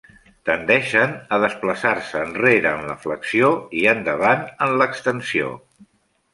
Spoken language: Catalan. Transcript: Tendeixen a desplaçar-se enrere en la flexió i endavant en l'extensió.